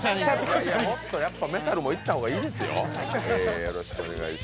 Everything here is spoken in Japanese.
もっとメタルもいった方がいいですよ。